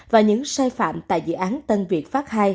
và những sai phạm tại dự án tân việt pháp ii